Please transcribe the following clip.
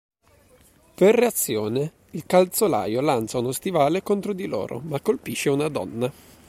Per reazione il calzolaio lancia uno stivale contro di loro ma colpisce una donna.